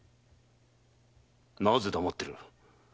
なぜ黙っている。